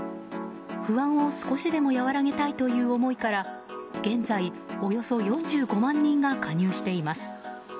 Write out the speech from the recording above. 不安を少しでもやわらげたいという思いから現在、およそ４５万人が加入しています。